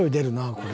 これ。